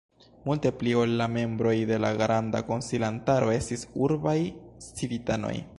Multe pli ol la membroj de la granda konsilantaro estis urbaj civitanoj.